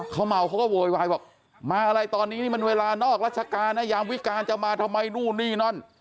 เขาเมาเขาก็โวยวายบอกมาอะไรตอนนี้นี่มันเวลานอกราชการนะยามวิการจะมาทำไมนู่นนี่นั่น